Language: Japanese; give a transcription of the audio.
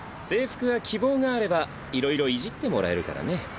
制服は希望があればいろいろいじってもらえるからね。